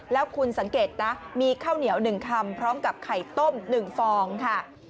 แล้วคุณสังเกตนะมีข้าวเหนียว๑คำพร้อมกับไข่ต้ม๑ฟองค่ะ